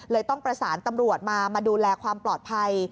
ต้องประสานตำรวจมามาดูแลความปลอดภัย